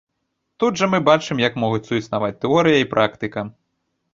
Тут жа мы бачым, як могуць суіснаваць тэорыя і практыка.